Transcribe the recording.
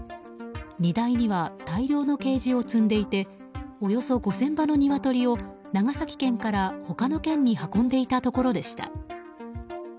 荷台には大量のケージを積んでいておよそ５０００羽のニワトリを長崎県から他の県に運んでいたところでした。